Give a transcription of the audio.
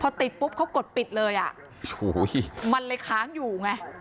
พอติดปุ๊บเขากดปิดเลยอ่ะโอ้โหมันเลยค้างอยู่ไง